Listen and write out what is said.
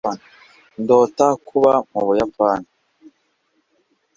ndota kuba mu buyapani